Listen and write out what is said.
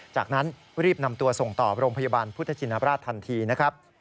จากนั้นรีบนำตัวส่งต่อโรงพยาบาลพุทธชินบราชทันทีนะครับ